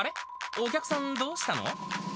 お客さん、どうしたの？